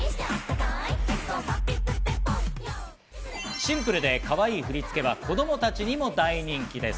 シンプルで、かわいい振り付けは子供たちにも大人気です。